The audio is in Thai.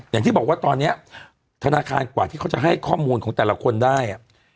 อย่างที่บอกว่าตอนนี้ธนาคารกว่าที่เขาจะให้ข้อมูลของแต่ละคนได้